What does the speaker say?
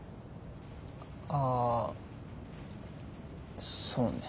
ああそうね。